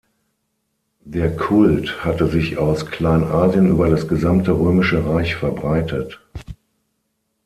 Der Kult hatte sich aus Kleinasien über das gesamte Römische Reich verbreitet.